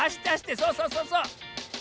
そうそうそうそう。